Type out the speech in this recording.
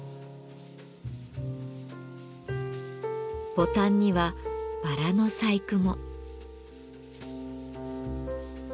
ボタンにはバラの細工も。